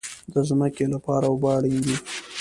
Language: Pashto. د ځمکې لپاره اوبه اړین دي